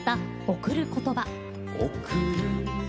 「贈る言葉」